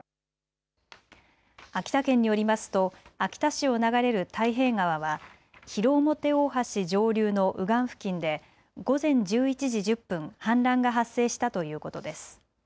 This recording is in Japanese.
秋田県によりますと秋田市を流れる太平川は広面大橋上流の右岸付近で午前１１時１０分、氾濫が発生したということです。